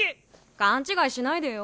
勘違いしないでよ。